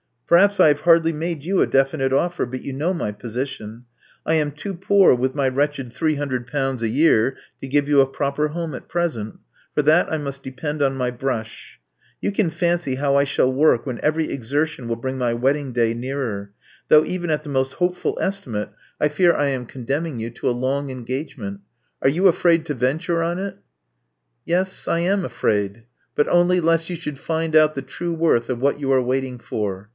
Perhaps I have hardly made you a definite offer ; but you know my position. I am too poor with my wretched ;;^3oo a year to give you a proper home at present. For that I must depend on my brush. You can fancy how I shall work when every exertion will bring my wedding day nearer; though, even at the most hopeful estimate, I fear I am Love Among the Artists 29 condemning you to a long engagement. Are you afraid to venture on it?" •*Yes, I am afraid; but only lest you should find out the true worth of what you are waiting for.